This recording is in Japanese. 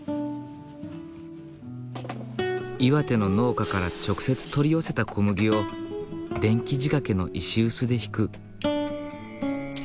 岩手の農家から直接取り寄せた小麦を電気仕掛けの石臼でひく。